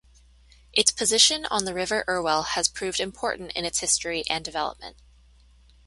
Its position on the River Irwell has proved important in its history and development.